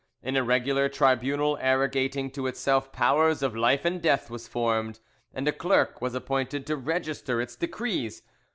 An irregular tribunal arrogating to itself powers of life and death was formed, and a clerk was appointed to register its decrees.